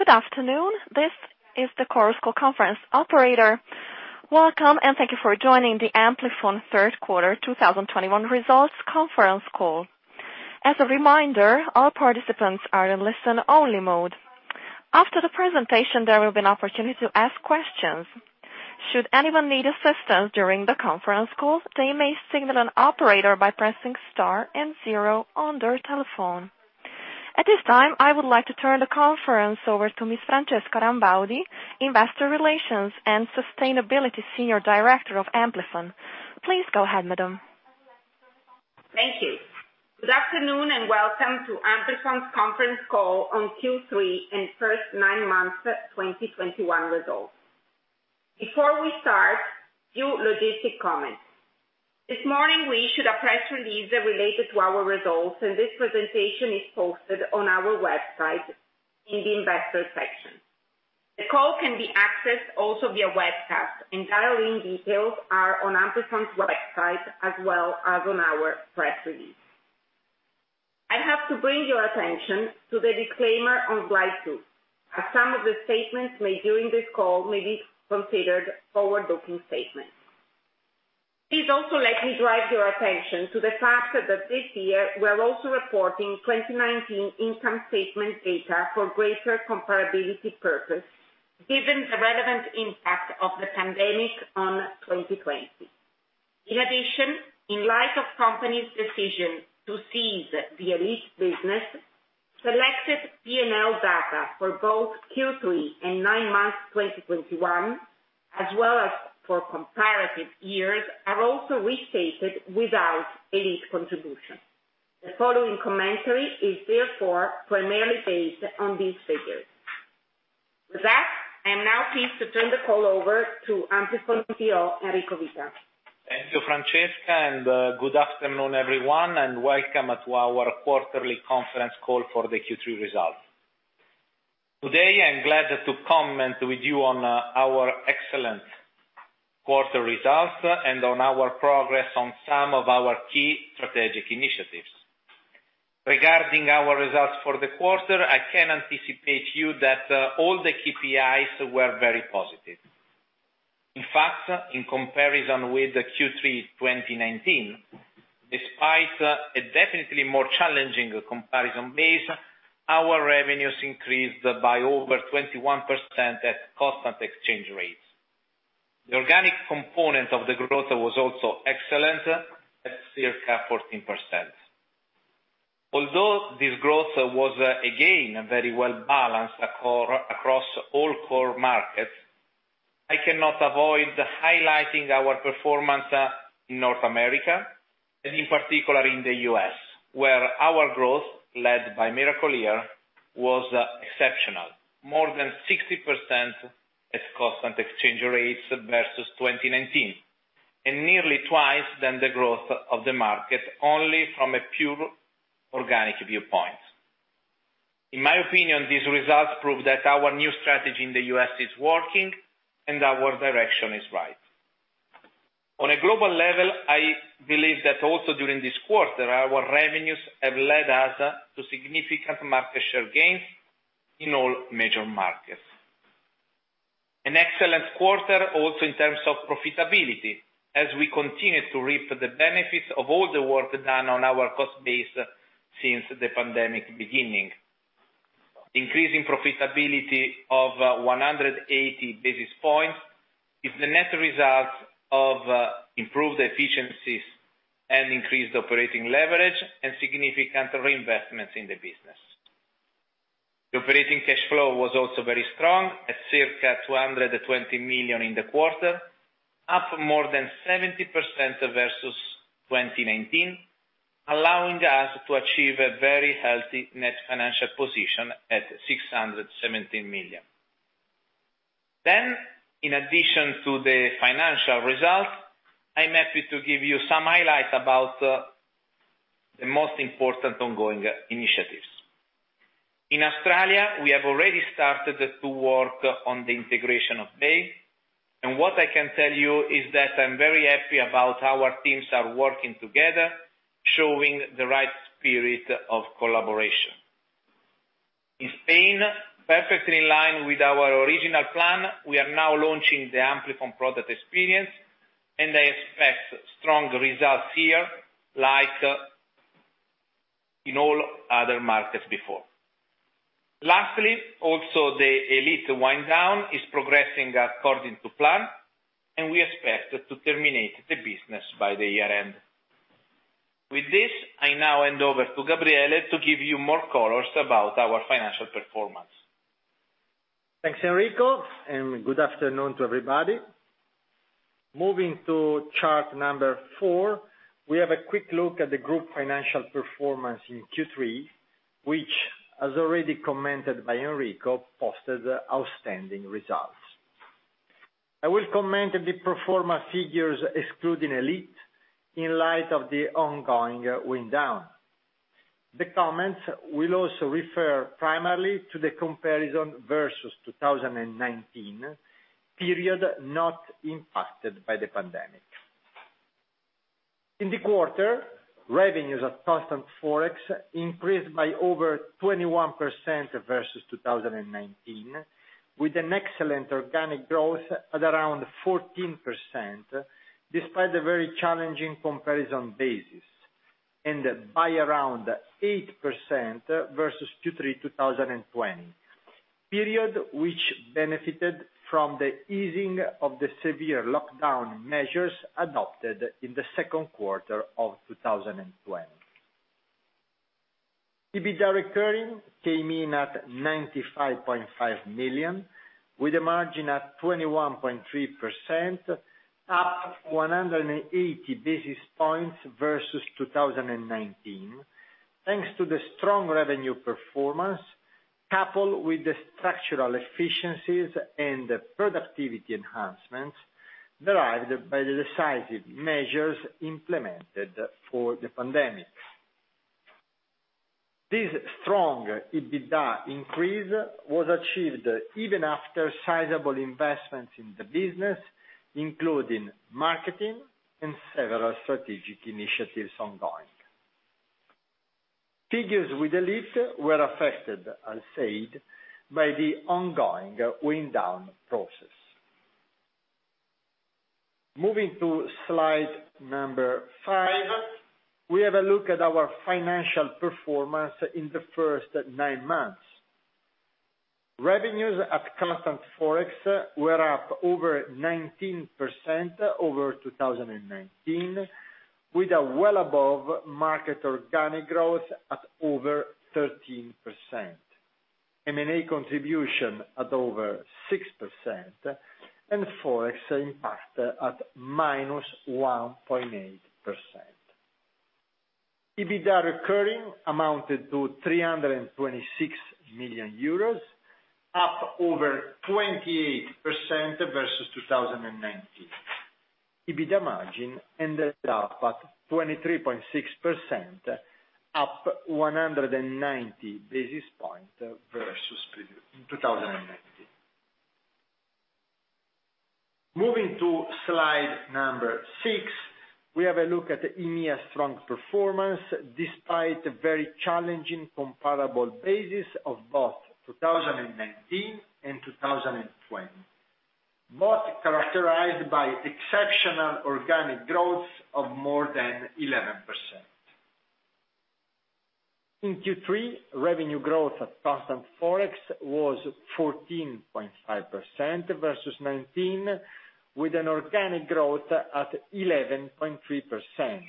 Good afternoon. This is the Chorus Call conference operator. Welcome, and thank you for joining the Amplifon third quarter 2021 results conference call. As a reminder, all participants are in listen-only mode. After the presentation, there will be an opportunity to ask questions. Should anyone need assistance during the conference call, they may signal an operator by pressing star and zero on their telephone. At this time, I would like to turn the conference over to Miss Francesca Rambaudi, Investor Relations and Sustainability Senior Director of Amplifon. Please go ahead, madam. Thank you. Good afternoon, and welcome to Amplifon's conference call on Q3 and first nine months of 2021 results. Before we start, a few logistic comments. This morning we issued a press release related to our results, and this presentation is posted on our website in the investor section. The call can be accessed also via webcast, and dial-in details are on Amplifon's website as well as on our press release. I have to bring your attention to the disclaimer on slide two, as some of the statements made during this call may be considered forward-looking statements. Please also let me drive your attention to the fact that this year we are also reporting 2019 income statement data for greater comparability purpose, given the relevant impact of the pandemic on 2020. In addition, in light of the company's decision to cease the Elite business, selected P&L data for both Q3 and nine months 2021, as well as for comparative years, are also restated without Elite contribution. The following commentary is therefore primarily based on these figures. With that, I am now pleased to turn the call over to Amplifon CEO, Enrico Vita. Thank you, Francesca, and good afternoon, everyone, and welcome to our quarterly conference call for the Q3 results. Today, I'm glad to comment with you on our excellent quarter results and on our progress on some of our key strategic initiatives. Regarding our results for the quarter, I can anticipate you that all the KPIs were very positive. In fact, in comparison with the Q3 2019, despite a definitely more challenging comparison base, our revenues increased by over 21% at constant exchange rates. The organic component of the growth was also excellent at circa 14%. Although this growth was, again, very well-balanced across all core markets, I cannot avoid highlighting our performance in North America and in particular in the U.S., where our growth, led by Miracle-Ear, was exceptional. More than 60% at constant exchange rates versus 2019, and nearly twice the growth of the market only from a pure organic viewpoint. In my opinion, these results prove that our new strategy in the U.S. is working, and our direction is right. On a global level, I believe that also during this quarter, our revenues have led us to significant market share gains in all major markets. An excellent quarter also in terms of profitability as we continue to reap the benefits of all the work done on our cost base since the pandemic beginning. Increasing profitability of 180 basis points is the net result of improved efficiencies and increased operating leverage and significant reinvestments in the business. The operating cash flow was also very strong at circa 220 million in the quarter, up more than 70% versus 2019, allowing us to achieve a very healthy net financial position at 617 million. In addition to the financial results, I'm happy to give you some highlights about the most important ongoing initiatives. In Australia, we have already started to work on the integration of Bay, and what I can tell you is that I'm very happy about how our teams are working together, showing the right spirit of collaboration. In Spain, perfectly in line with our original plan, we are now launching the Amplifon product experience, and I expect strong results here like in all other markets before. Lastly, also the Elite wind down is progressing according to plan, and we expect to terminate the business by the year-end. With this, I now hand over to Gabriele to give you more colors about our financial performance. Thanks, Enrico, and good afternoon to everybody. Moving to chart number four, we have a quick look at the group financial performance in Q3, which, as already commented by Enrico, posted outstanding results. I will comment the pro forma figures excluding Elite in light of the ongoing wind down. The comments will also refer primarily to the comparison versus 2019, period not impacted by the pandemic. In the quarter, revenues at constant Forex increased by over 21% versus 2019, with an excellent organic growth at around 14%, despite the very challenging comparison basis, and by around 8% versus Q3 2020, period which benefited from the easing of the severe lockdown measures adopted in the second quarter of 2020. EBITDA recurring came in at 95.5 million, with a margin at 21.3%, up 180 basis points versus 2019, thanks to the strong revenue performance, coupled with the structural efficiencies and productivity enhancements derived by the decisive measures implemented for the pandemic. This strong EBITDA increase was achieved even after sizable investments in the business, including marketing and several strategic initiatives ongoing. Figures with Elite were affected, I said, by the ongoing wind down process. Moving to slide five, we have a look at our financial performance in the first nine months. Revenues at constant Forex were up over 19% over 2019, with a well above market organic growth at over 13%, M&A contribution at over 6%, and Forex impact at -1.8%. EBITDA recurring amounted to 326 million euros, up over 28% versus 2019. EBITDA margin ended up at 23.6%, up 190 basis points versus 2019. Moving to slide six, we have a look at the EMEA strong performance despite a very challenging comparable basis of both 2019 and 2020, both characterized by exceptional organic growth of more than 11%. In Q3, revenue growth at constant Forex was 14.5% versus 2019, with an organic growth at 11.3%.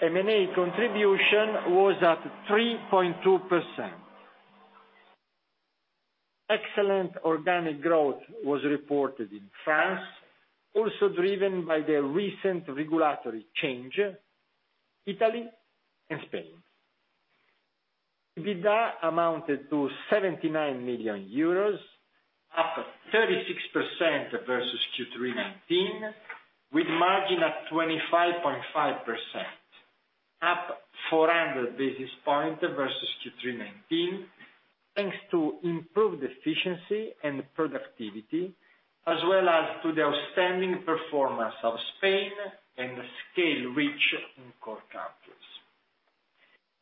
M&A contribution was at 3.2%. Excellent organic growth was reported in France, also driven by the recent regulatory change, Italy and Spain. EBITDA amounted to 79 million euros, up 36% versus Q3 2019, with margin at 25.5%, up 400 basis points versus Q3 2019, thanks to improved efficiency and productivity, as well as to the outstanding performance of Spain and the scale reached in core countries.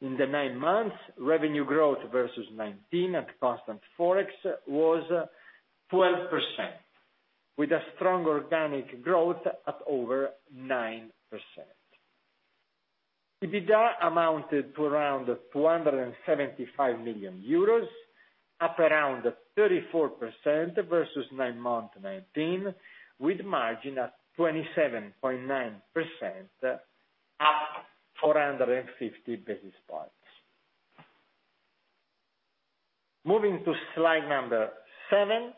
In the nine months, revenue growth versus 2019 at constant Forex was 12%, with a strong organic growth at over 9%. EBITDA amounted to around 275 million euros, up around 34% versus 9M 2019, with margin at 27.9%, up 450 basis points. Moving to slide seven,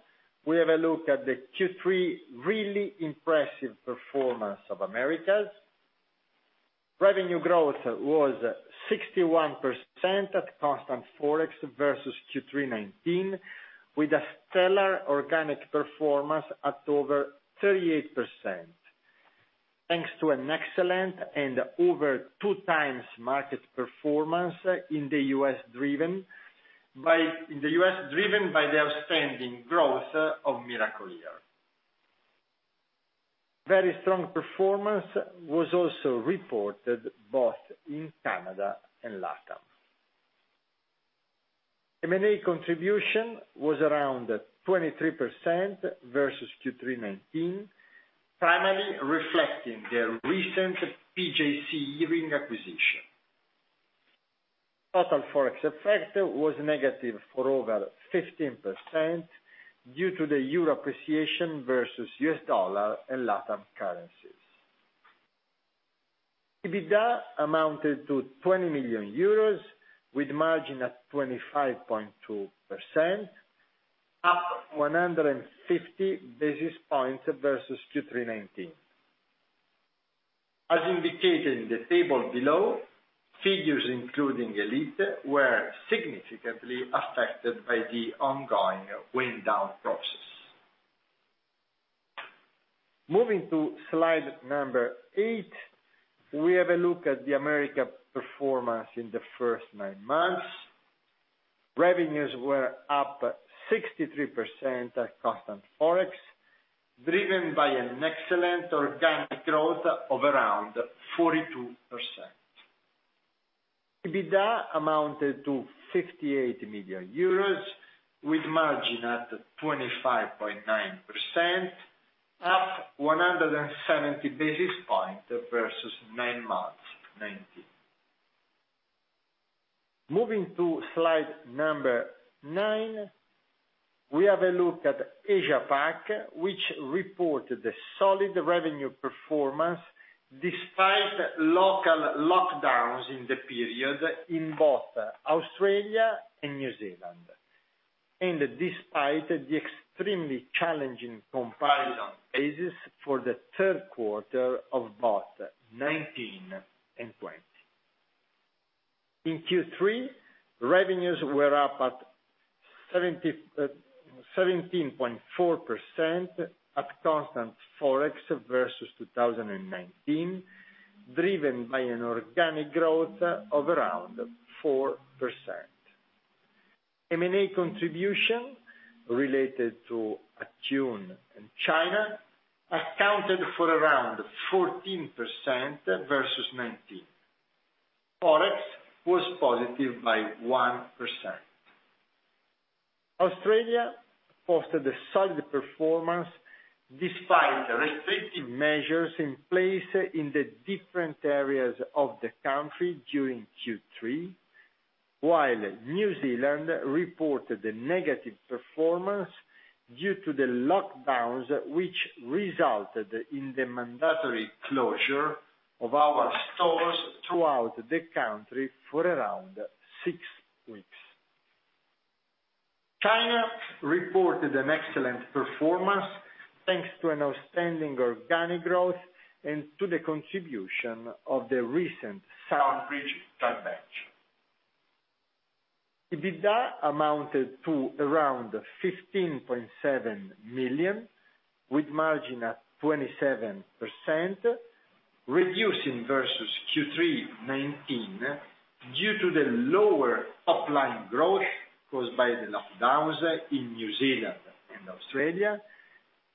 we have a look at the Q3 really impressive performance of Americas. Revenue growth was 61% at constant Forex versus Q3 2019, with a stellar organic performance at over 38%, thanks to an excellent and over 2x market performance in the U.S., driven by the outstanding growth of Miracle-Ear. Very strong performance was also reported both in Canada and LatAm. M&A contribution was around 23% versus Q3 2019, primarily reflecting the recent PJC Hearing acquisition. Total Forex effect was negative for over 15% due to the Euro appreciation versus U.S. dollar and LatAm currencies. EBITDA amounted to 20 million euros with margin at 25.2%, up 150 basis points versus Q3 2019. As indicated in the table below, figures including Elite were significantly affected by the ongoing wind down process. Moving to slide number eight, we have a look at the Americas performance in the first nine months. Revenues were up 63% at constant Forex, driven by an excellent organic growth of around 42%. EBITDA amounted to 58 million euros, with margin at 25.9%, up 170 basis points versus nine months 2019. Moving to slide number nine, we have a look at Asia Pac, which reported a solid revenue performance despite local lockdowns in the period in both Australia and New Zealand, and despite the extremely challenging comparison basis for the third quarter of both 2019 and 2020. In Q3, revenues were up 17.4% at constant Forex versus 2019, driven by an organic growth of around 4%. M&A contribution related to Attune in China accounted for around 14% versus 2019. Forex was positive by 1%. Australia posted a solid performance despite restrictive measures in place in the different areas of the country during Q3, while New Zealand reported a negative performance due to the lockdowns which resulted in the mandatory closure of our stores throughout the country for around six weeks. China reported an excellent performance, thanks to an outstanding organic growth and to the contribution of the recent Sound Bridge transaction. EBITDA amounted to around 15.7 million, with margin at 27%, reducing versus Q3 2019 due to the lower underlying growth caused by the lockdowns in New Zealand and Australia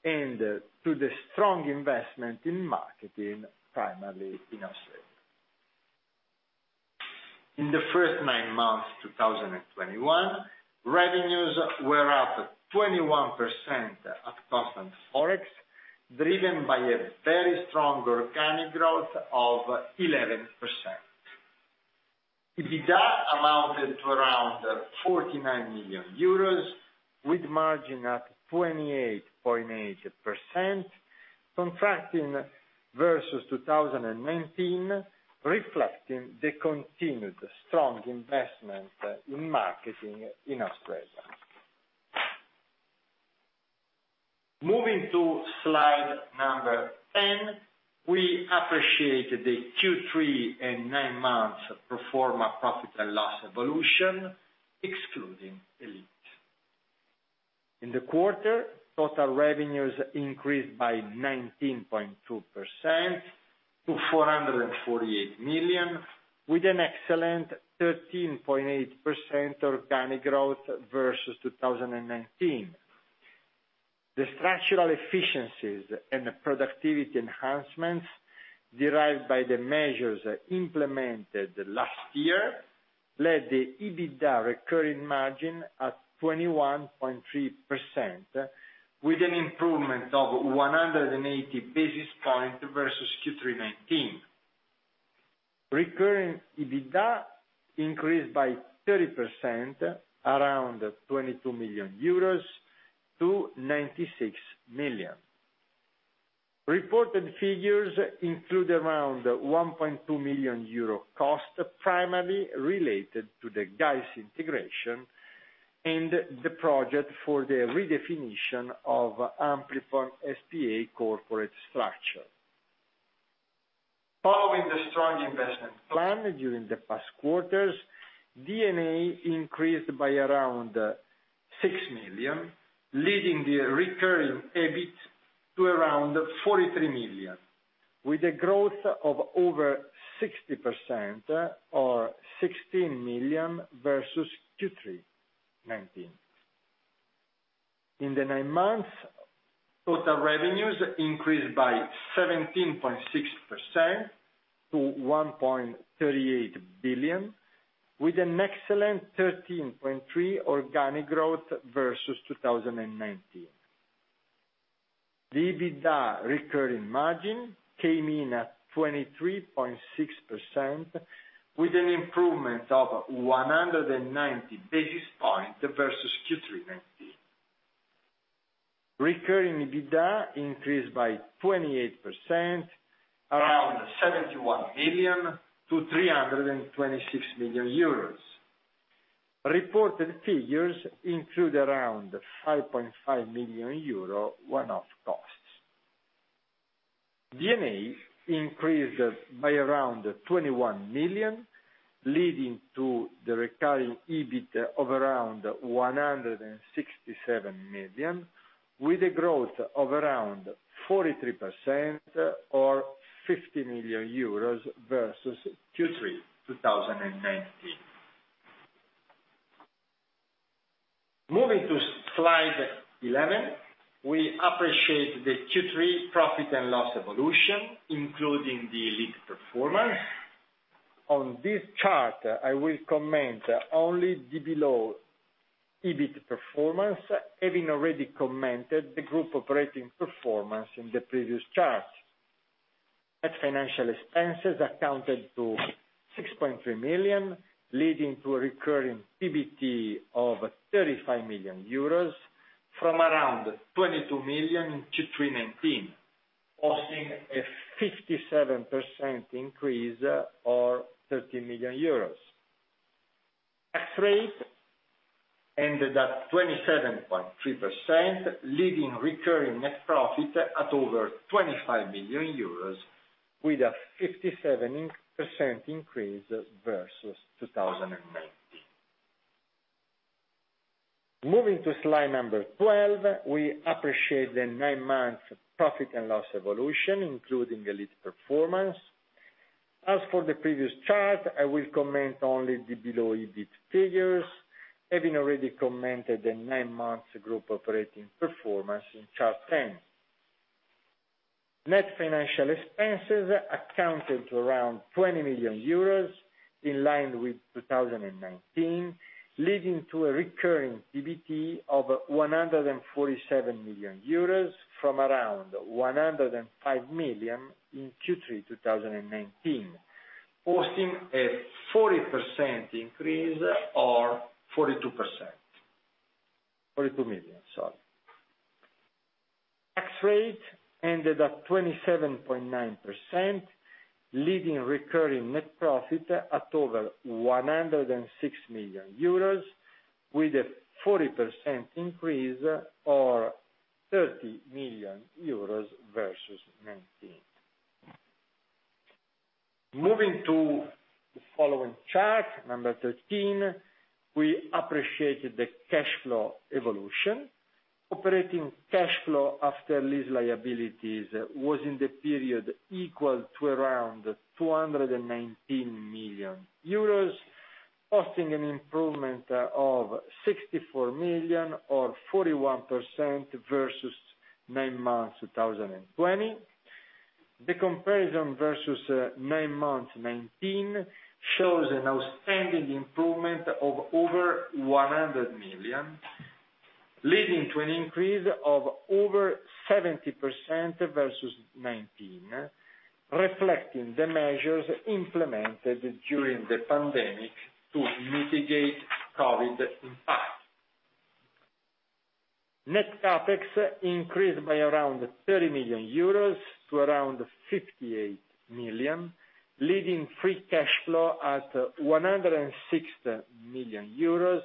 and to the strong investment in marketing, primarily in Australia. In the first nine months 2021, revenues were up 21% at constant Forex, driven by a very strong organic growth of 11%. EBITDA amounted to around 49 million euros with margin at 28.8%, contracting versus 2019, reflecting the continued strong investment in marketing in Australia. Moving to slide 10, we appreciate the Q3 and nine months pro forma profit and loss evolution excluding Elite. In the quarter, total revenues increased by 19.2% to 448 million, with an excellent 13.8% organic growth versus 2019. The structural efficiencies and the productivity enhancements derived by the measures implemented last year led to the EBITDA recurring margin at 21.3% with an improvement of 180 basis points versus Q3 2019. Recurring EBITDA increased by 30% around 22 million euros to 96 million. Reported figures include around 1.2 million euro cost, primarily related to the GAES integration and the project for the redefinition of Amplifon S.p.A. corporate structure. Following the strong investment plan during the past quarters, D&A increased by around 6 million, leading the recurring EBIT to around 43 million, with a growth of over 60% or EUR 16 million versus Q3 2019. In the nine months, total revenues increased by 17.6% to 1.38 billion, with an excellent 13.3% organic growth versus 2019. The recurring EBITDA margin came in at 23.6% with an improvement of 190 basis points versus Q3 2019. Recurring EBITDA increased by 28% around 71 million to 326 million euros. Reported figures include around 5.5 million euro one-off costs. D&A increased by around 21 million, leading to the recurring EBIT of around 167 million, with a growth of around 43% or 50 million euros versus Q3 2019. Moving to slide 11, we appreciate the Q3 P&L evolution, including the lease performance. On this chart, I will comment only the below EBIT performance, having already commented the group operating performance in the previous chart. Net financial expenses amounted to 6.3 million, leading to a recurring PBT of 35 million euros from around 22 million in Q3 2019, with a 57% increase or 30 million euros. Tax rate ended at 27.3%, leaving recurring net profit at over 25 million euros with a 57% increase versus 2019. Moving to slide 12, we appreciate the nine months profit and loss evolution, including the lease performance. As for the previous chart, I will comment only the below EBIT figures, having already commented the nine months group operating performance in chart 10. Net financial expenses amounted to around 20 million euros, in line with 2019, leading to a recurring PBT of 147 million euros from around 105 million in Q3 2019, showing a 40% increase or EUR 42 million, sorry. Tax rate ended at 27.9%, leaving recurring net profit at over 106 million euros with a 40% increase or 30 million euros versus 2019. Moving to the following chart, number 13, we appreciated the cash flow evolution. Operating cash flow after lease liabilities was in the period equal to around 219 million euros, hosting an improvement of 64 million or 41% versus nine months 2020. The comparison versus nine months 2019 shows an outstanding improvement of over 100 million, leading to an increase of over 70% versus 2019, reflecting the measures implemented during the pandemic to mitigate COVID impact. Net CapEx increased by around 30 million euros to around 58 million, leaving free cash flow at 106 million euros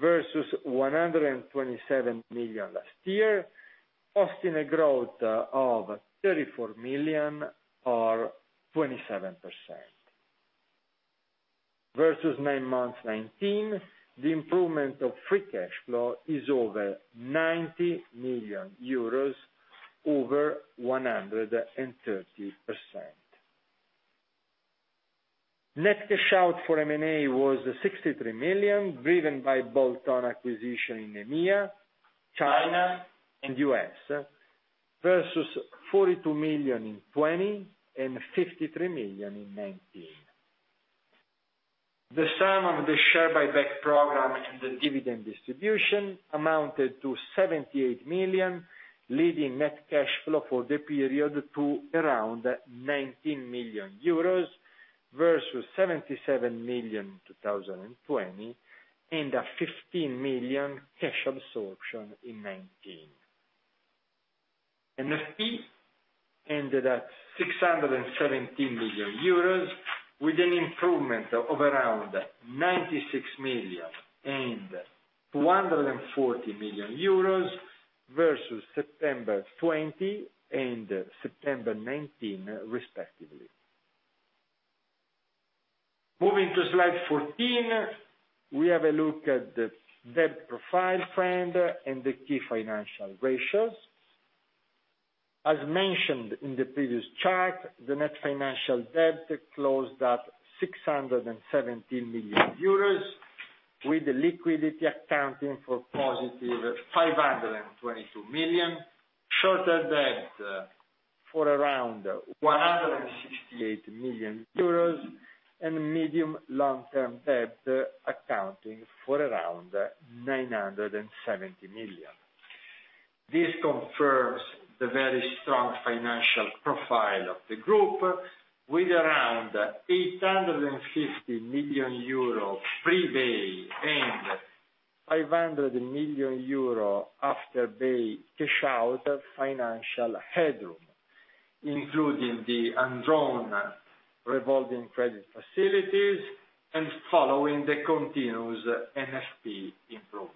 versus 127 million last year, hosting a growth of 34 million or 27%. Versus nine months 2019, the improvement of free cash flow is over 90 million euros over 130%. Net cash out for M&A was 63 million, driven by bolt-on acquisition in EMEA, China and U.S., versus 42 million in 2020 and 53 million in 2019. The sum of the share buyback program and the dividend distribution amounted to 78 million, leading net cash flow for the period to around 19 million euros versus 77 million in 2020, and a 15 million cash absorption in 2019. NFP ended at 617 million euros, with an improvement of around 96 million and 240 million euros versus September 2020 and September 2019 respectively. Moving to slide 14, we have a look at the debt profile trend and the key financial ratios. As mentioned in the previous chart, the net financial debt closed at 617 million euros, with the liquidity accounting for +522 million, short-term debt for around 168 million euros and medium- to long-term debt accounting for around 970 million. This confirms the very strong financial profile of the group with around 850 million euro pre-Bay and 500 million euro after Bay cash out financial headroom, including the undrawn revolving credit facilities and following the continuous NPS improvement.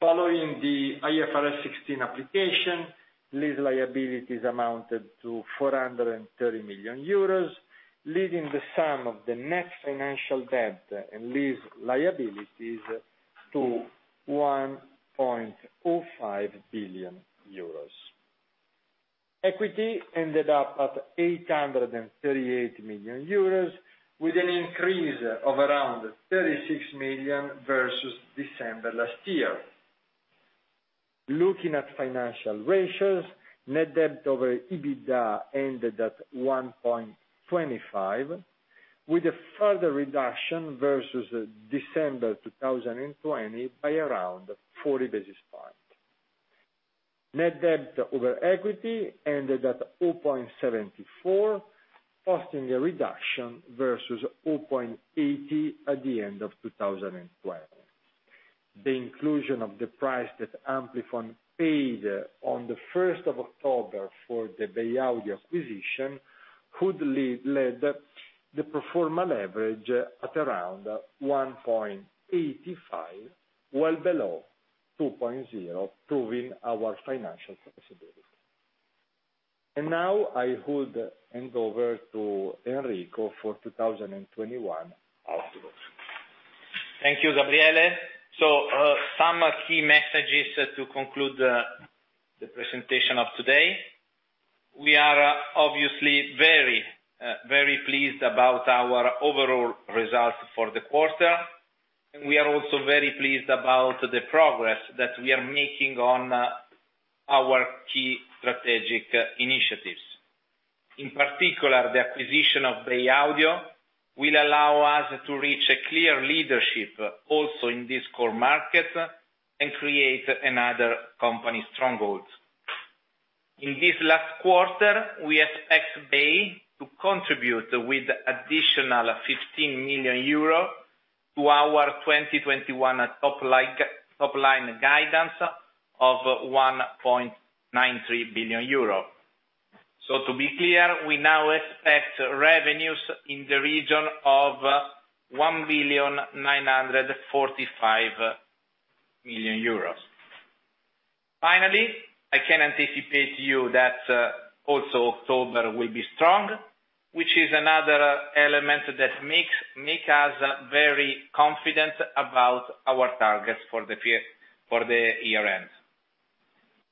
Following the IFRS 16 application, lease liabilities amounted to 430 million euros, leaving the sum of the net financial debt and lease liabilities to 1.05 billion euros. Equity ended up at 838 million euros, with an increase of around 36 million versus December last year. Looking at financial ratios, net debt over EBITDA ended at 1.25, with a further reduction versus December 2020 by around 40 basis points. Net debt over equity ended at 0.74, posting a reduction versus 0.80 at the end of 2020. The inclusion of the price that Amplifon paid on the first of October for the Bay Audio acquisition led the pro forma leverage at around 1.85, well below 2.0, proving our financial flexibility. Now I would hand over to Enrico for 2021 outlook. Thank you, Gabriele. Some key messages to conclude the presentation of today. We are obviously very pleased about our overall results for the quarter, and we are also very pleased about the progress that we are making on our key strategic initiatives. In particular, the acquisition of Bay Audio will allow us to reach a clear leadership also in this core market and create another company strongholds. In this last quarter, we expect Bay Audio to contribute with additional 15 million euro to our 2021 top-line guidance of 1.93 billion euro. To be clear, we now expect revenues in the region of 1.945 billion. Finally, I can anticipate you that also October will be strong, which is another element that make us very confident about our targets for the year end.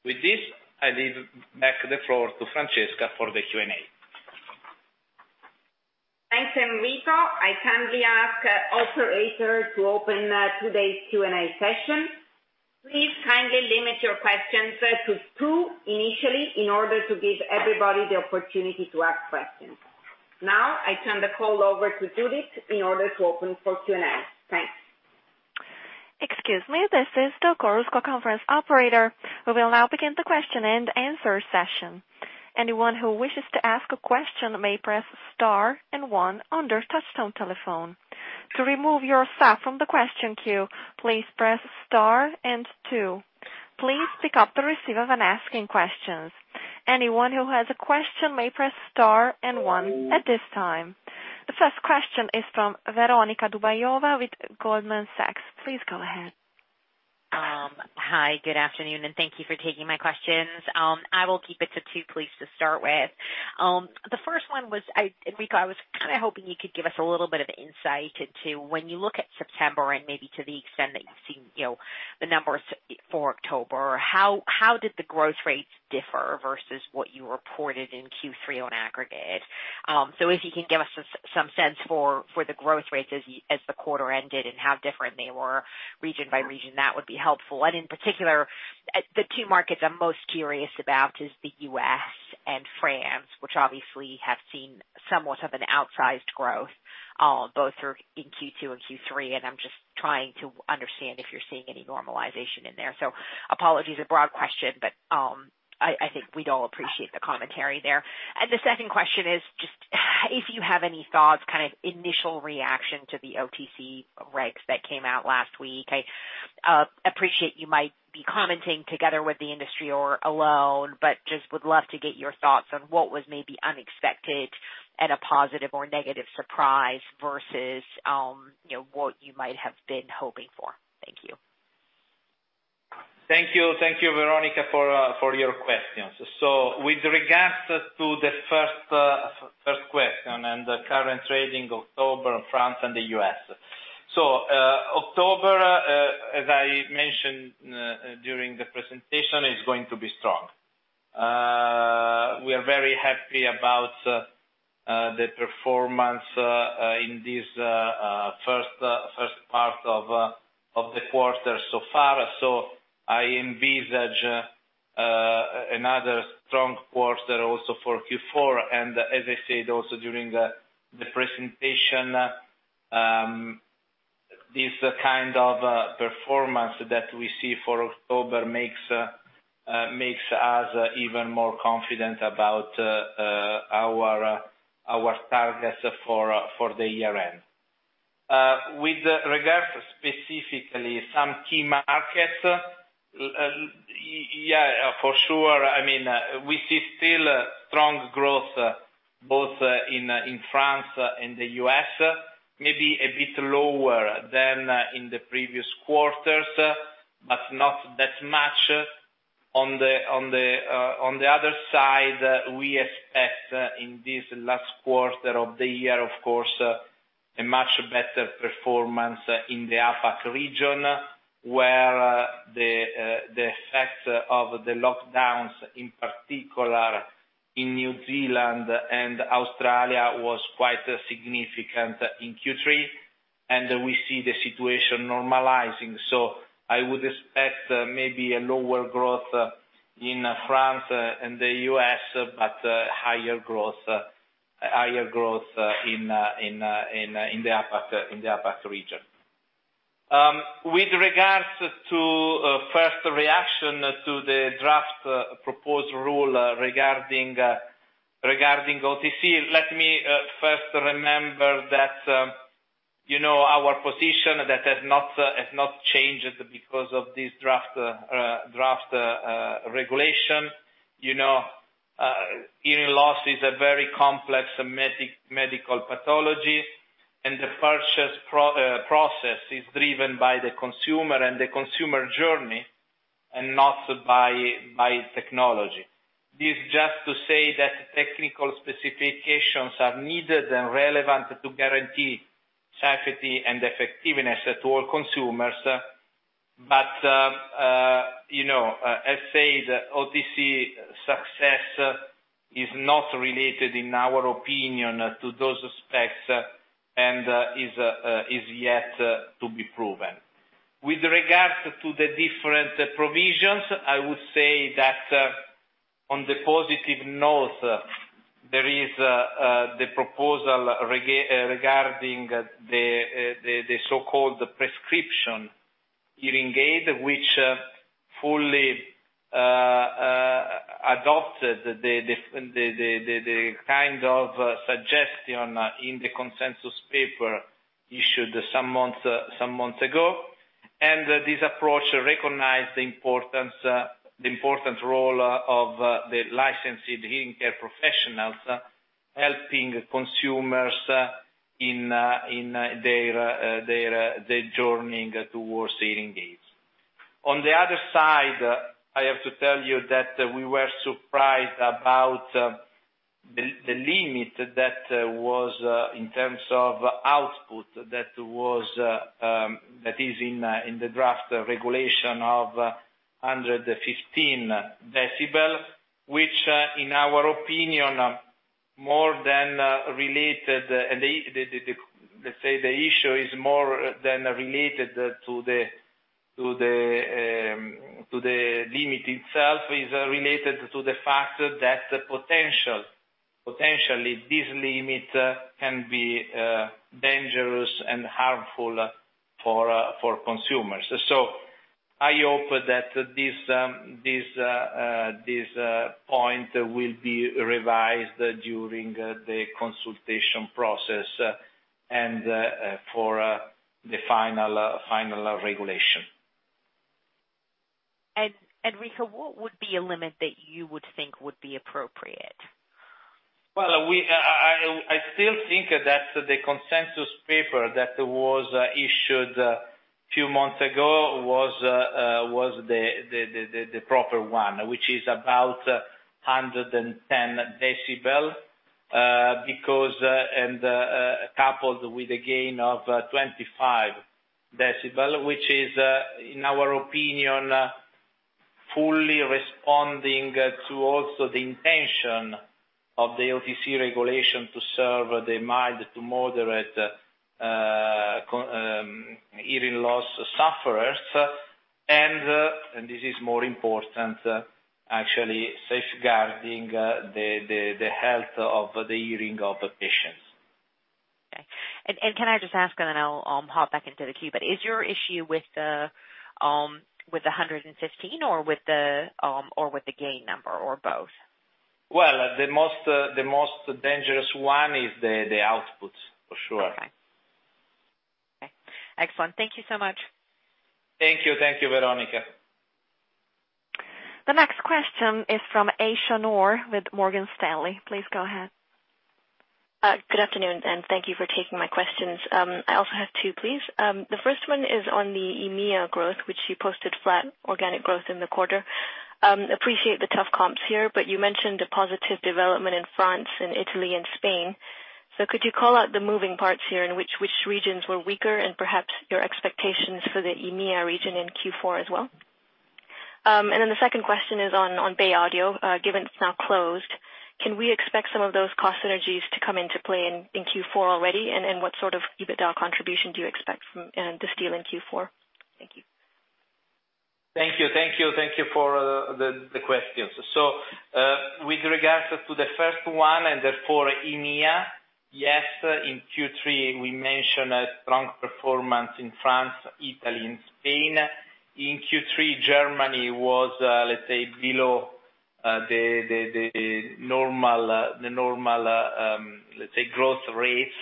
With this, I hand back the floor to Francesca for the Q&A. Thanks, Enrico. I kindly ask operator to open today's Q&A session. Please kindly limit your questions to two initially in order to give everybody the opportunity to ask questions. Now I turn the call over to Judith in order to open for Q&A. Thanks. Excuse me, this is the Chorus Call conference operator. We will now begin the question and answer session. Anyone who wishes to ask a question may press star and one on their touchtone telephone. To remove yourself from the question queue, please press star and two. Please pick up the receiver when asking questions. Anyone who has a question may press star and one at this time. The first question is from Veronika Dubajova with Goldman Sachs. Please go ahead. Hi, good afternoon, and thank you for taking my questions. I will keep it to two, please, to start with. The first one was, Enrico, I was kinda hoping you could give us a little bit of insight into when you look at September and maybe to the extent that you've seen, you know, the numbers for October, how did the growth rates differ versus what you reported in Q3 on aggregate? So if you can give us some sense for the growth rates as the quarter ended and how different they were region by region, that would be helpful. In particular, the two markets I'm most curious about is the U.S. and France, which obviously have seen somewhat of an outsized growth, both in Q2 and Q3, and I'm just trying to understand if you're seeing any normalization in there. Apologies, a broad question, but I think we'd all appreciate the commentary there. The second question is just if you have any thoughts, kind of initial reaction to the OTC regs that came out last week. I appreciate you might be commenting together with the industry or alone, but just would love to get your thoughts on what was maybe unexpected and a positive or negative surprise versus, you know, what you might have been hoping for. Thank you. Thank you. Thank you, Veronika, for your questions. With regards to the first question and the current trading October in France and the U.S. October, as I mentioned, during the presentation, is going to be strong. We are very happy about the performance in this first part of the quarter so far. I envisage another strong quarter also for Q4. As I said also during the presentation, this kind of performance that we see for October makes us even more confident about our targets for the year end. With regard to some key markets specifically, yeah, for sure, I mean, we see still strong growth both in France and the U.S., maybe a bit lower than in the previous quarters, but not that much. On the other side, we expect in this last quarter of the year, of course, a much better performance in the APAC region, where the effects of the lockdowns, in particular in New Zealand and Australia, was quite significant in Q3, and we see the situation normalizing. I would expect maybe a lower growth in France and the U.S., but higher growth in the APAC region. With regards to first reaction to the draft proposed rule regarding OTC, let me first remind that our position has not changed because of this draft regulation. You know, hearing loss is a very complex medical pathology, and the purchase process is driven by the consumer and the consumer journey and not by technology. This just to say that technical specifications are needed and relevant to guarantee safety and effectiveness to all consumers. As said, OTC success is not related, in our opinion, to those specs and is yet to be proven. With regards to the different provisions, I would say that on the positive note, there is the proposal regarding the so-called prescription hearing aid, which fully adopted the kind of suggestion in the consensus paper issued some months ago. This approach recognized the importance, the important role of the licensed hearing care professionals helping consumers in their journey towards hearing aids. On the other side, I have to tell you that we were surprised about the limit that was in terms of output that is in the draft regulation of 115 dB, which in our opinion, more than related. Let's say the issue is more than related to the limit itself, is related to the fact that potentially this limit can be dangerous and harmful for consumers. I hope that this point will be revised during the consultation process and for the final regulation. Enrico, what would be a limit that you would think would be appropriate? Well, I still think that the consensus paper that was issued a few months ago was the proper one, which is about 110 dB, because coupled with a gain of 25 dB, which is, in our opinion, fully responding also to the intention of the OTC regulation to serve the mild to moderate hearing loss sufferers. This is more important, actually safeguarding the health of the hearing of patients. Can I just ask, and then I'll hop back into the queue. Is your issue with the 115 dB or with the gain number or both? Well, the most dangerous one is the output, for sure. Okay. Excellent. Thank you so much. Thank you. Thank you, Veronika. The next question is from Aisyah Noor with Morgan Stanley. Please go ahead. Good afternoon, and thank you for taking my questions. I also have two, please. The first one is on the EMEA growth, which you posted flat organic growth in the quarter. Appreciate the tough comps here, but you mentioned the positive development in France and Italy and Spain. Could you call out the moving parts here and which regions were weaker and perhaps your expectations for the EMEA region in Q4 as well? And then the second question is on Bay Audio. Given it's now closed, can we expect some of those cost synergies to come into play in Q4 already? And what sort of EBITDA contribution do you expect from this deal in Q4? Thank you. Thank you for the questions. With regards to the first one and therefore EMEA, yes, in Q3 we mentioned a strong performance in France, Italy and Spain. In Q3, Germany was, let's say, below the normal growth rates.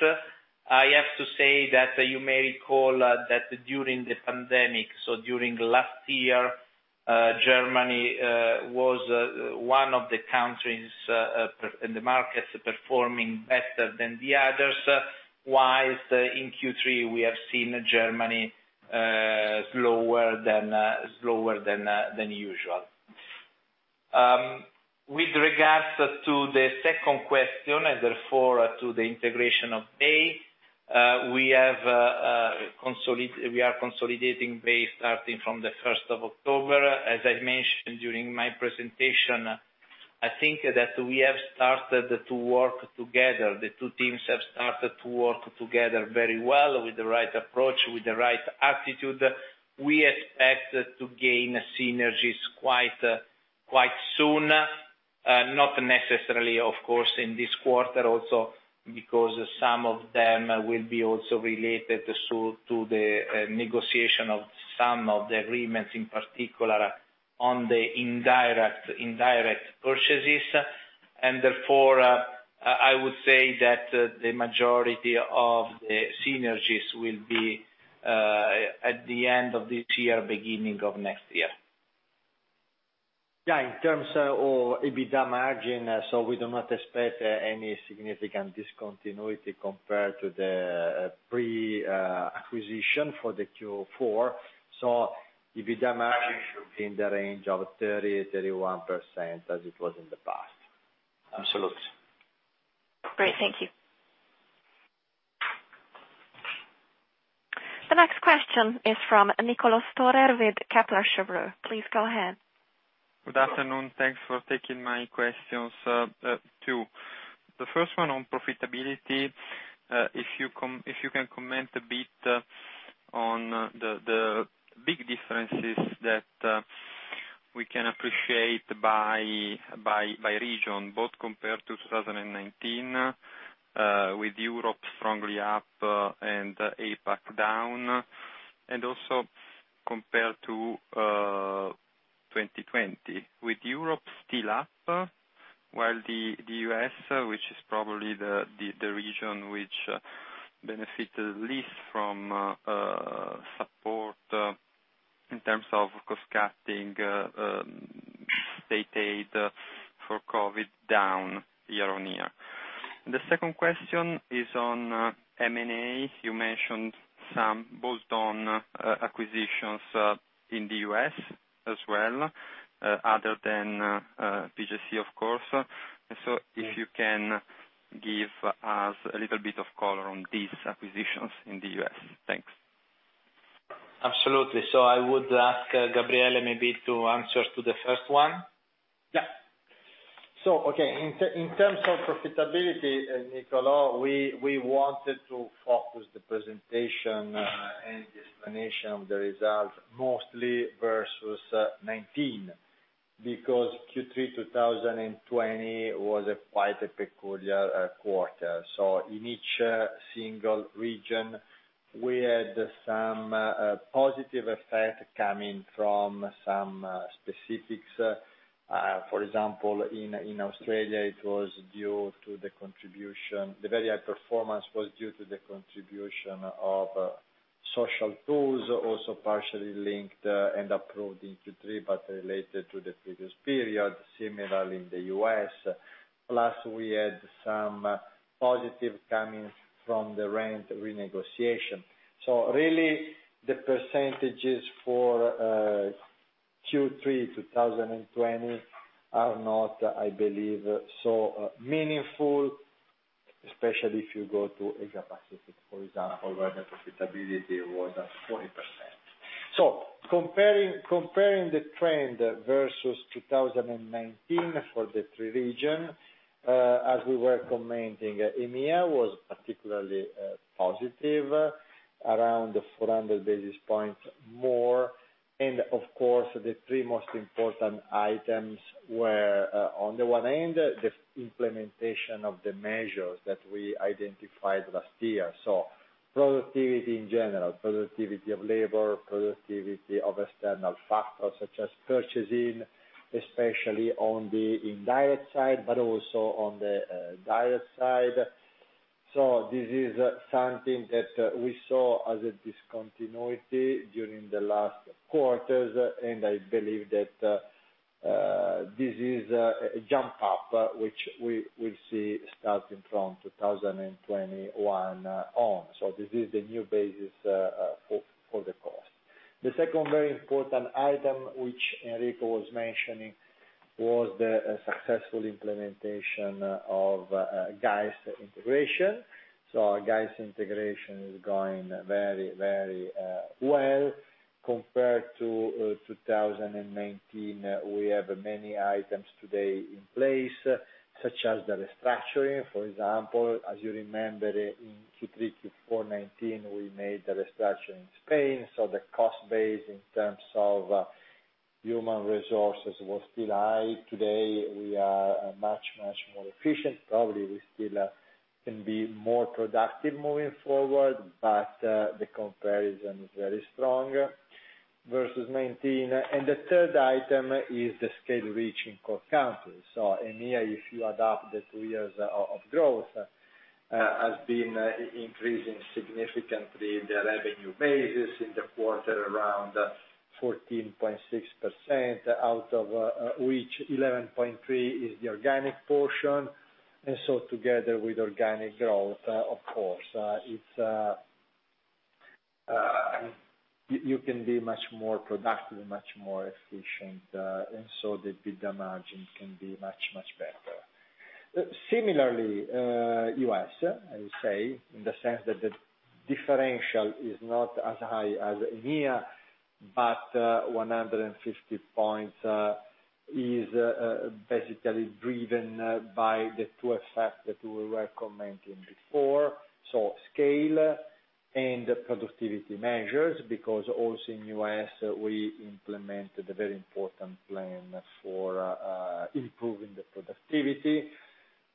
I have to say that you may recall that during the pandemic, so during last year, Germany was one of the countries in the markets performing better than the others, whilst in Q3, we have seen Germany slower than usual. With regards to the second question and therefore to the integration of Bay, we are consolidating Bay starting from the first of October. As I mentioned during my presentation, I think that we have started to work together, the two teams have started to work together very well with the right approach, with the right attitude. We expect to gain synergies quite soon, not necessarily of course in this quarter also because some of them will be also related to the negotiation of some of the agreements, in particular on the indirect purchases. Therefore, I would say that the majority of the synergies will be at the end of this year, beginning of next year. Yeah, in terms of EBITDA margin, we do not expect any significant discontinuity compared to the pre-acquisition for the Q4. So EBITDA margin should be in the range of 30%-31% as it was in the past. Absolutely. Great. Thank you. The next question is from Niccolò Storer with Kepler Cheuvreux. Please go ahead. Good afternoon. Thanks for taking my questions. Two. The first one on profitability, if you can comment a bit on the big differences that we can appreciate by region, both compared to 2019, with Europe strongly up and APAC down, and also compared to 2020, with Europe still up, while the U.S., which is probably the region which benefited least from support in terms of cost cutting, state aid for COVID down year-on-year. The second question is on M&A. You mentioned some bolt-on acquisitions in the U.S. as well, other than PJC of course. So if you can give us a little bit of color on these acquisitions in the U.S. Thanks. Absolutely. I would ask Gabriele maybe to answer to the first one. Yeah. Okay, in terms of profitability, Niccolò, we wanted to focus the presentation and explanation of the results mostly versus 2019 because Q3 2020 was a quite peculiar quarter. In each single region, we had some positive effect coming from some specifics. For example, in Australia, it was due to the contribution, the very high performance was due to the contribution of social subsidies, also partially linked and approved in Q3, but related to the previous period, similar in the U.S. Plus we had some positive coming from the rent renegotiation. Really the percentages for Q3 2020 are not, I believe, so meaningful, especially if you go to Asia-Pacific, for example, where the profitability was at 40%. Comparing the trend versus 2019 for the three regions, as we were commenting, EMEA was particularly positive, around 400 basis points more. Of course, the three most important items were, on the one hand, the implementation of the measures that we identified last year. Productivity in general, productivity of labor, productivity of external factors such as purchasing, especially on the indirect side, but also on the direct side. This is something that we saw as a discontinuity during the last quarters, and I believe that this is a jump up, which we will see starting from 2021 on. This is the new basis for the cost. The second very important item, which Enrico was mentioning, was the successful implementation of GAES integration. GAES integration is going very well. Compared to 2019, we have many items today in place, such as the restructuring. For example, as you remember, in Q3, Q4 2019, we made the restructuring in Spain, so the cost base in terms of human resources was still high. Today, we are much more efficient. Probably we still can be more productive moving forward, but the comparison is very strong versus 2019. The third item is the scale reaching core countries. EMEA, if you adopt the two years of growth, has been increasing significantly the revenue basis in the quarter around 14.6%, out of which 11.3% is the organic portion. Together with organic growth, of course, you can be much more productive and much more efficient, and so the EBITDA margin can be much better. Similarly, U.S., I would say, in the sense that the differential is not as high as EMEA, but 150 points is basically driven by the two effect that we were commenting before. Scale and productivity measures, because also in U.S. we implemented a very important plan for improving the productivity.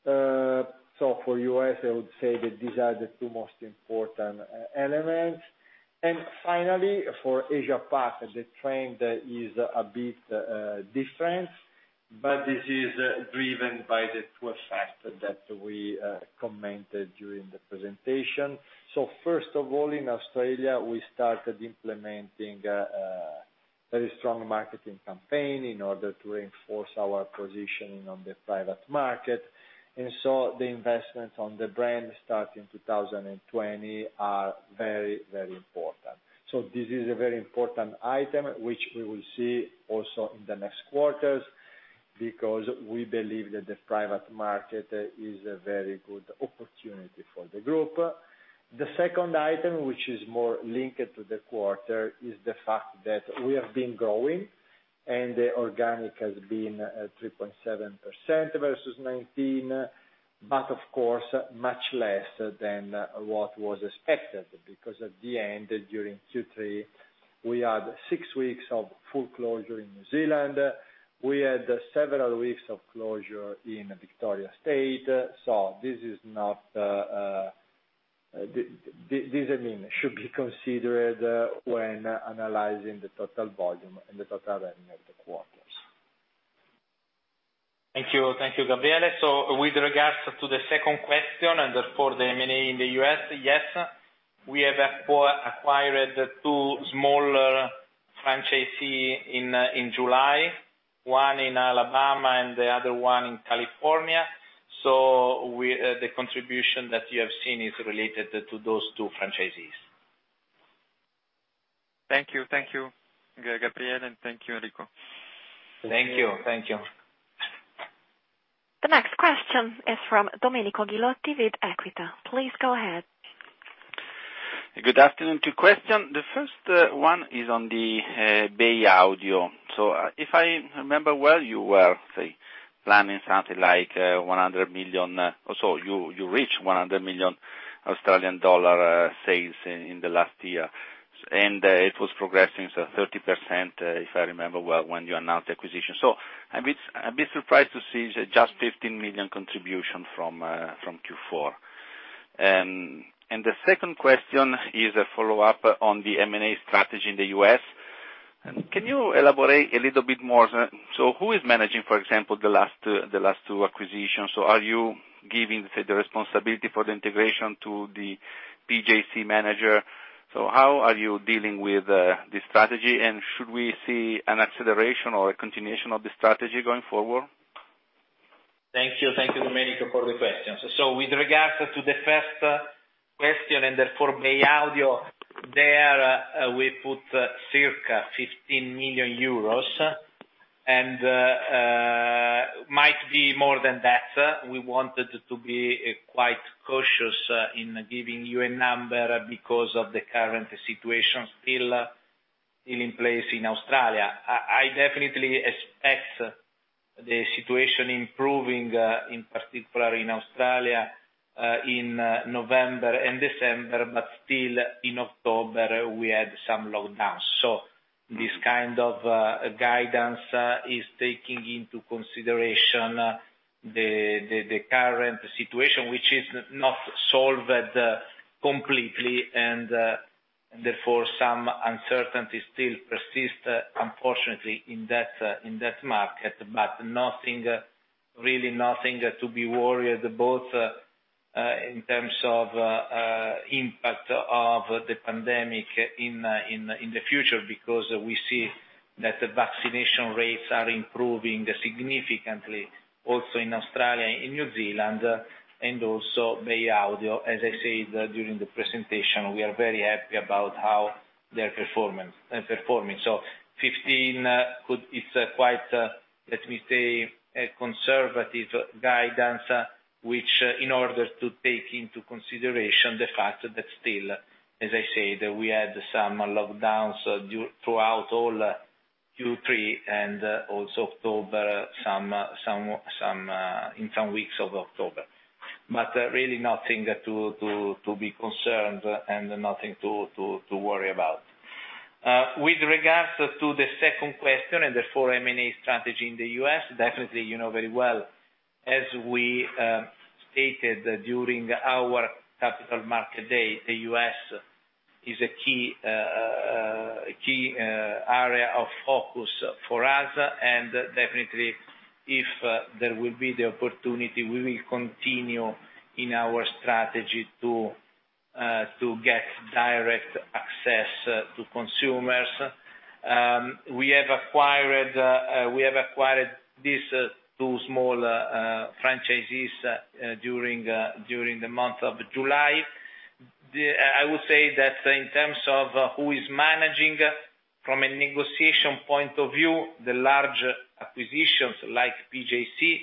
For U.S., I would say that these are the two most important elements. Finally, for Asia-Pac, the trend is a bit different, but this is driven by the two effect that we commented during the presentation. First of all, in Australia, we started implementing a very strong marketing campaign in order to reinforce our positioning on the private market. The investments on the brand starting 2020 are very, very important. This is a very important item, which we will see also in the next quarters because we believe that the private market is a very good opportunity for the group. The second item, which is more linked to the quarter, is the fact that we have been growing and organic has been 3.7% versus 2019, but of course, much less than what was expected. Because at the end, during Q3, we had six weeks of full closure in New Zealand. We had several weeks of closure in Victoria state, so this is not, I mean, should be considered when analyzing the total volume and the total revenue of the quarters. Thank you. Thank you, Gabriele. With regards to the second question and therefore the M&A in the U.S., yes, we have acquired two smaller franchisees in July. One in Alabama and the other one in California. The contribution that you have seen is related to those two franchisees. Thank you. Thank you, Gabriele, and thank you, Enrico. Thank you. Thank you. The next question is from Domenico Ghilotti with Equita. Please go ahead. Good afternoon. Two questions. The first one is on the Bay Audio. If I remember well, you were planning something like 100 million or so. You reached 100 million Australian dollar sales in the last year, and it was progressing to 30%, if I remember well, when you announced the acquisition. I'm a bit surprised to see just 15 million contribution from Q4. The second question is a follow-up on the M&A strategy in the U.S. Can you elaborate a little bit more? Who is managing, for example, the last two acquisitions? Are you giving the responsibility for the integration to the PJC manager? How are you dealing with this strategy? Should we see an acceleration or a continuation of the strategy going forward? Thank you. Thank you, Domenico, for the questions. With regards to the first question and therefore Bay Audio, we put circa 15 million euros and might be more than that. We wanted to be quite cautious in giving you a number because of the current situation still in place in Australia. I definitely expect the situation improving in particular in Australia in November and December, but still in October, we had some lockdowns. This kind of guidance is taking into consideration the current situation, which is not solved completely and therefore, some uncertainty still persist, unfortunately, in that market. Nothing, really nothing to be worried, both in terms of impact of the pandemic in the future, because we see that the vaccination rates are improving significantly also in Australia and in New Zealand and also Bay Audio. As I said during the presentation, we are very happy about how they're performing. 15 million is quite, let me say, a conservative guidance, which in order to take into consideration the fact that still, as I said, we had some lockdowns throughout all Q3 and also October, in some weeks of October. Really nothing to be concerned and nothing to worry about. With regards to the second question and therefore M&A strategy in the U.S., definitely you know very well. As we stated during our Capital Market Day, the U.S. is a key area of focus for us. Definitely if there will be the opportunity, we will continue in our strategy to get direct access to consumers. We have acquired these two small franchisees during the month of July. I would say that in terms of who is managing from a negotiation point of view, the large acquisitions like PJC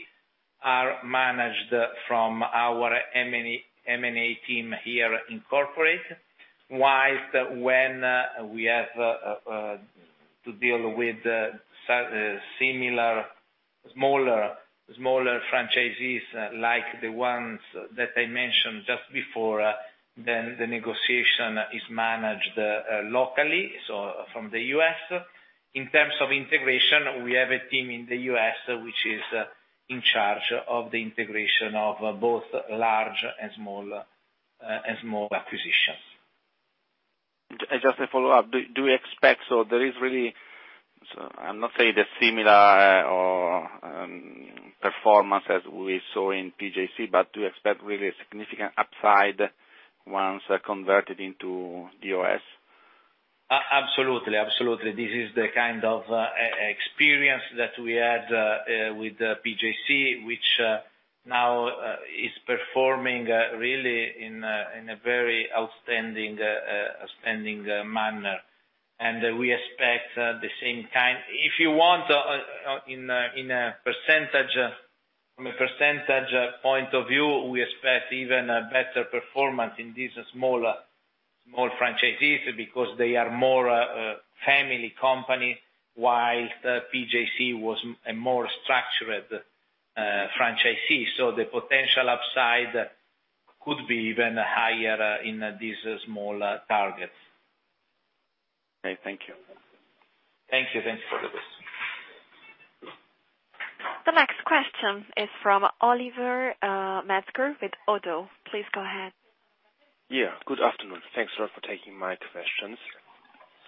are managed from our M&A team here in corporate. Whilst when we have to deal with similar smaller franchisees, like the ones that I mentioned just before, then the negotiation is managed locally, so from the U.S. In terms of integration, we have a team in the U.S. which is in charge of the integration of both large and small acquisitions. Just a follow-up. I'm not saying a similar performance as we saw in PJC, but do you expect really a significant upside once converted into DOS? Absolutely. This is the kind of experience that we had with the PJC, which now is performing really in a very outstanding manner. We expect the same kind. If you want, in a percentage, from a percentage point of view, we expect even better performance in these smaller franchisees because they are more family company, while PJC was a more structured franchisee. The potential upside could be even higher in these smaller targets. Okay, thank you. Thank you. Thanks for the question. The next question is from Olivier Metzger with ODDO. Please go ahead. Yeah, good afternoon. Thanks a lot for taking my questions.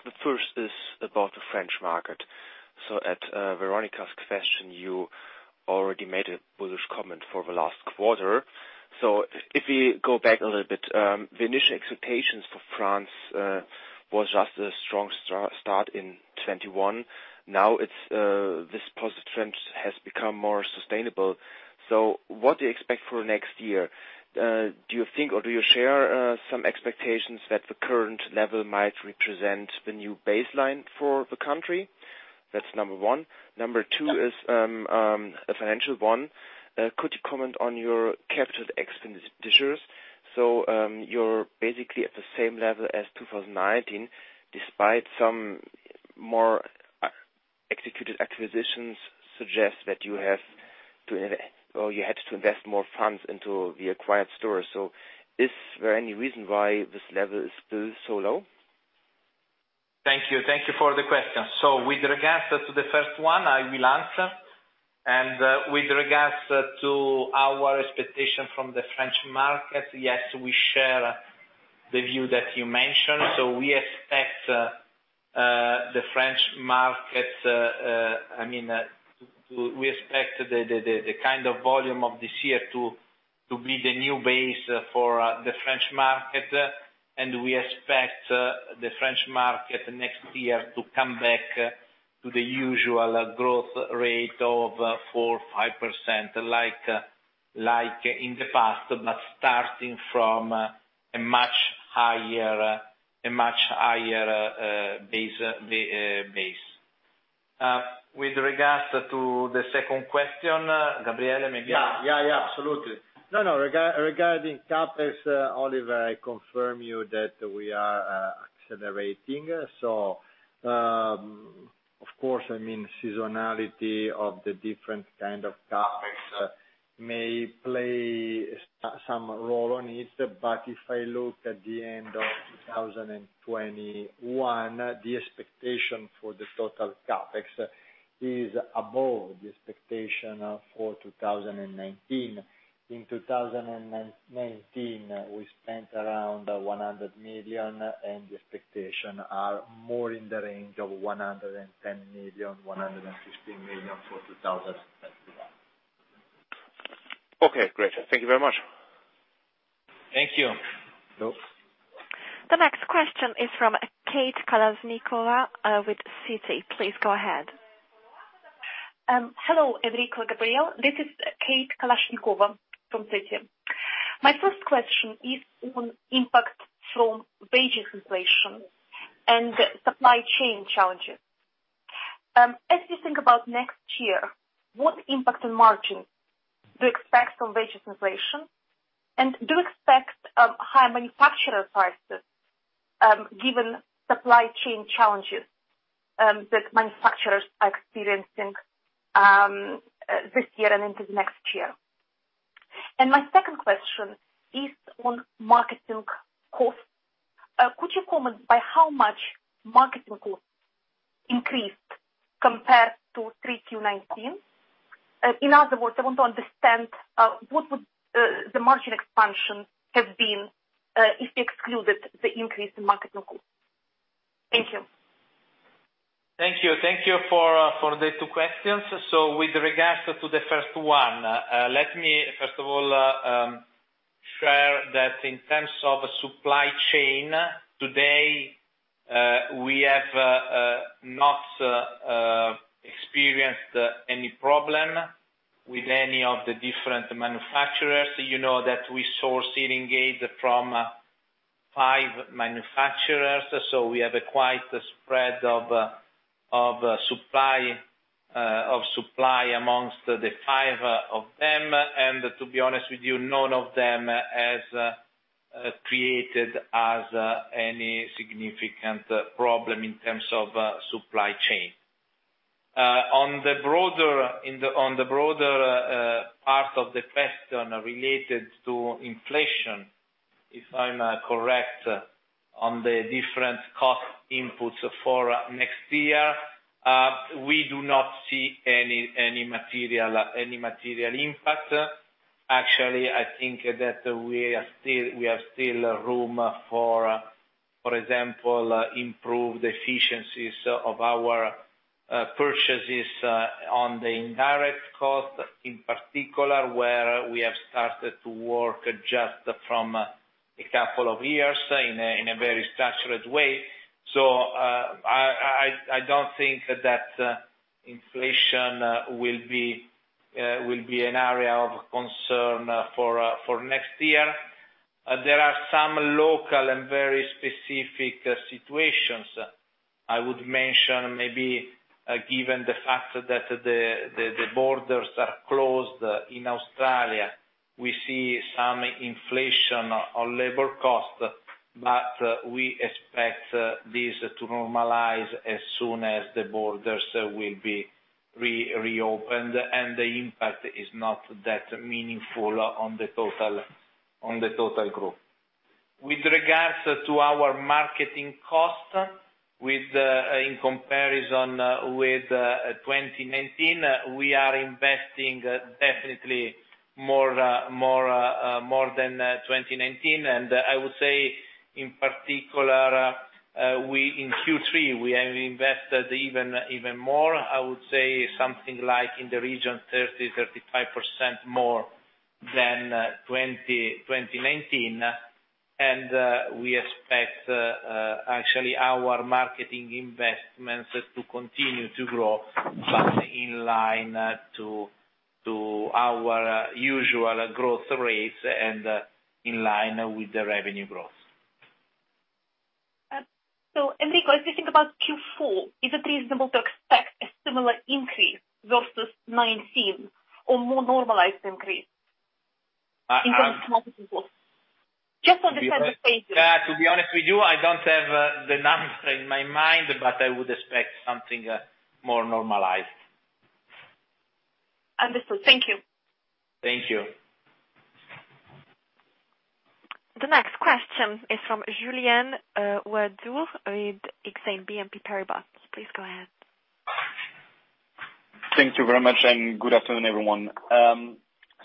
The first is about the French market. At Veronika's question, you already made a bullish comment for the last quarter. If we go back a little bit, the initial expectations for France was just a strong start in 2021. Now it's this positive trend has become more sustainable. What do you expect for next year? Do you think, or do you share some expectations that the current level might represent the new baseline for the country? That's number one. Number two is a financial one. Could you comment on your capital expenditures? You're basically at the same level as 2019, despite some more executed acquisitions suggest that you have to, or you had to invest more funds into the acquired stores. Is there any reason why this level is still so low? Thank you. Thank you for the question. With regards to the first one, I will answer. With regards to our expectation from the French market, yes, we share the view that you mentioned. We expect the French market. I mean, we expect the kind of volume of this year to be the new base for the French market. We expect the French market next year to come back to the usual growth rate of 4%-5%, like in the past, but starting from a much higher base. With regards to the second question, Gabriele, maybe. Yeah, yeah, absolutely. No, no. Regarding CapEx, Olivier, I confirm you that we are accelerating. Of course, I mean, seasonality of the different kind of CapEx may play some role on it. If I look at the end of 2021, the expectation for the total CapEx is above the expectation for 2019. In 2019, we spent around 100 million, and the expectation are more in the range of 110 million-116 million for 2021. Okay, great. Thank you very much. Thank you. The next question is from Kate Kalashnikova, with Citi. Please go ahead. Hello, Enrico, Gabriele. This is Kate Kalashnikova from Citi. My first question is on impact from wages inflation and supply chain challenges. As you think about next year, what impact on margins do you expect from wages inflation? Do you expect higher manufacturer prices, given supply chain challenges that manufacturers are experiencing this year and into next year? My second question is on marketing costs. Could you comment by how much marketing costs increased compared to 3Q 2019? In other words, I want to understand what would the margin expansion have been if you excluded the increase in marketing costs. Thank you. Thank you. Thank you for the two questions. With regards to the first one, let me first of all share that in terms of supply chain, today, we have not experienced any problem with any of the different manufacturers. You know that we source hearing aids from five manufacturers, so we have a quite spread of supply amongst the five of them. To be honest with you, none of them has caused any significant problem in terms of supply chain. On the broader part of the question related to inflation, if I'm correct on the different cost inputs for next year, we do not see any material impact. Actually, I think that we still have room for example, improved efficiencies of our purchases on the indirect cost, in particular, where we have started to work just from a couple of years in a very structured way. So, I don't think that inflation will be an area of concern for next year. There are some local and very specific situations I would mention maybe given the fact that the borders are closed in Australia. We see some inflation on labor costs, but we expect this to normalize as soon as the borders will be reopened, and the impact is not that meaningful on the total group. With regards to our marketing costs, in comparison with 2019, we are investing definitely more than 2019. In Q3, we have invested even more, I would say something like in the region of 30%-35% more than 2019. We expect actually our marketing investments to continue to grow but in line with our usual growth rates and in line with the revenue growth. Enrico, if you think about Q4, is it reasonable to expect a similar increase versus 2019 or more normalized increase in terms of marketing costs? To be honest with you, I don't have the numbers in my mind, but I would expect something more normalized. Understood. Thank you. Thank you. The next question is from Julien [Werduv] with Exane BNP Paribas. Please go ahead. Thank you very much, and good afternoon, everyone.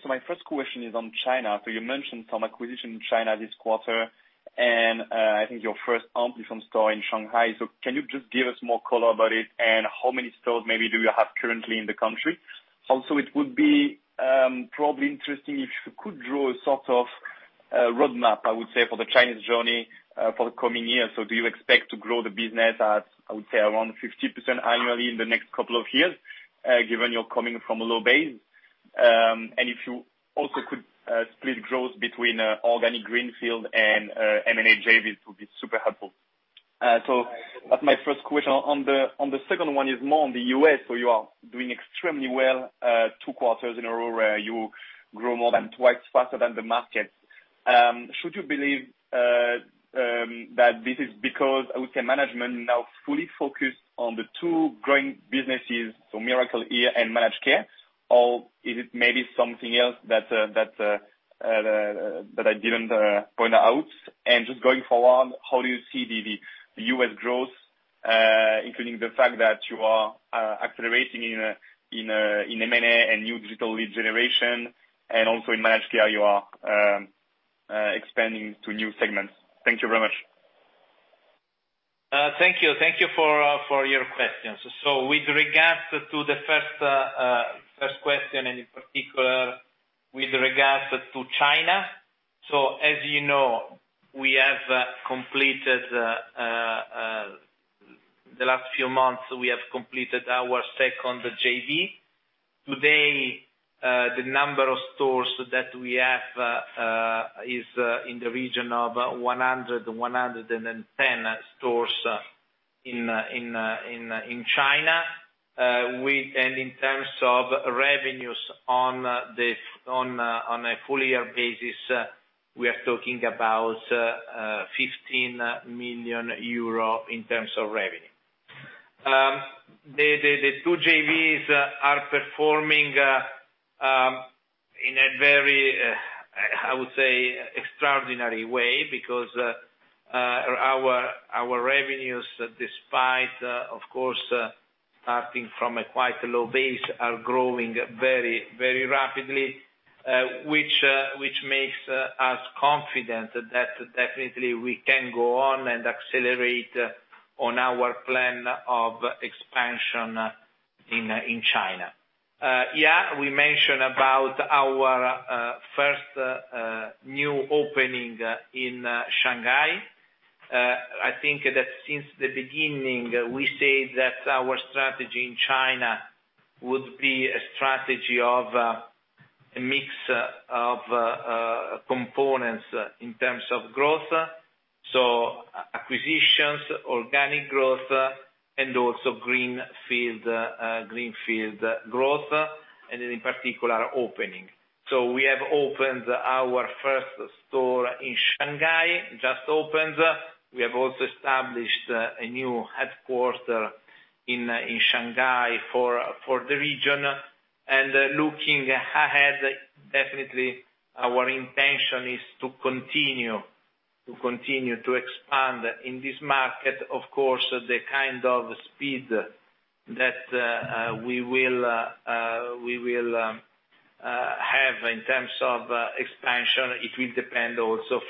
My first question is on China. You mentioned some acquisition in China this quarter, and I think your first Amplifon store in Shanghai. Can you just give us more color about it? How many stores maybe do you have currently in the country? Also, it would be probably interesting if you could draw a sort of a roadmap, I would say, for the Chinese journey for the coming years. Do you expect to grow the business at, I would say, around 50% annually in the next couple of years, given you're coming from a low base? And if you also could split growth between organic greenfield and M&A JVs would be super helpful. That's my first question. On the second one is more on the U.S., so you are doing extremely well, two quarters in a row where you grow more than twice faster than the market. Should you believe that this is because I would say management now fully focused on the two growing businesses, so Miracle-Ear and Managed Care, or is it maybe something else that I didn't point out? Just going forward, how do you see the U.S. growth, including the fact that you are accelerating in M&A and new digital lead generation and also in Managed Care you are expanding to new segments? Thank you very much. Thank you. Thank you for your questions. With regards to the first question and in particular with regards to China, as you know, in the last few months, we have completed our second JV. Today, the number of stores that we have is in the region of 110 stores in China. And in terms of revenues on a full year basis, we are talking about 15 million euro in terms of revenue. The two JVs are performing in a very, I would say, extraordinary way because our revenues, despite of course starting from a quite low base, are growing very, very rapidly, which makes us confident that definitely we can go on and accelerate on our plan of expansion in China. We mentioned about our first new opening in Shanghai. I think that since the beginning we say that our strategy in China would be a strategy of a mix of components in terms of growth. Acquisitions, organic growth, and also green field growth, and in particular opening. We have opened our first store in Shanghai, just opened. We have also established a new headquarters in Shanghai for the region. Looking ahead, definitely our intention is to continue to expand in this market. Of course, the kind of speed that we will have in terms of expansion, it will depend also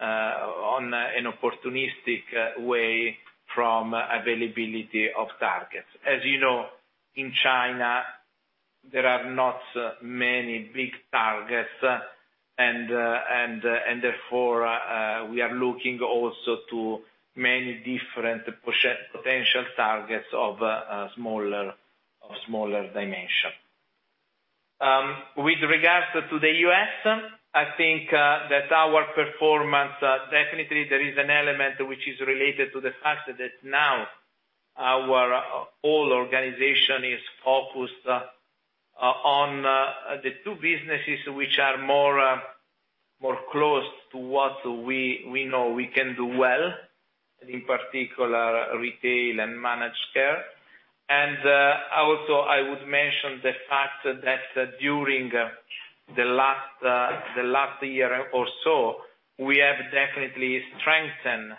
on an opportunistic way from availability of targets. As you know, in China, there are not many big targets and therefore we are looking also to many different potential targets of smaller dimension. With regards to the U.S., I think that our performance definitely there is an element which is related to the fact that now our whole organization is focused on the two businesses which are more close to what we know we can do well, in particular retail and Managed Care. Also I would mention the fact that during the last year or so, we have definitely strengthened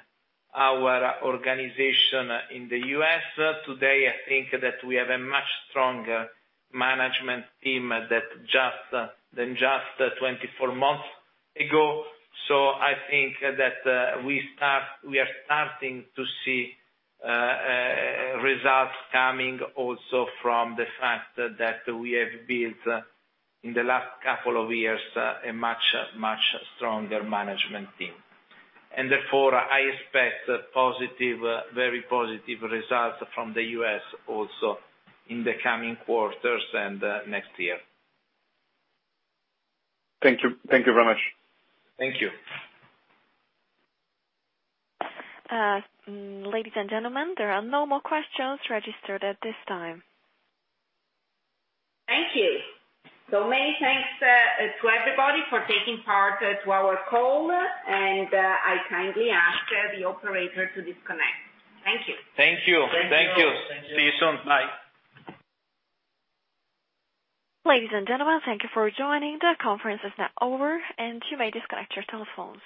our organization in the U.S. Today, I think that we have a much stronger management team than just 24 months ago. I think that we are starting to see results coming also from the fact that we have built, in the last couple of years, a much stronger management team. Therefore, I expect positive, very positive results from the U.S. also in the coming quarters and next year. Thank you. Thank you very much. Thank you. Ladies and gentlemen, there are no more questions registered at this time. Thank you. Many thanks to everybody for taking part to our call, and I kindly ask the operator to disconnect. Thank you. Thank you. See you soon. Bye. Ladies and gentlemen, thank you for joining. The conference is now over, and you may disconnect your telephones.